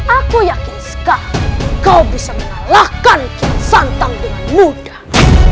aku yakin sekali kau bisa mengalahkan santang dengan mudah